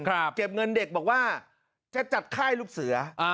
เก็บเงินเด็กบอกว่าจะจัดค่ายลูกเสือ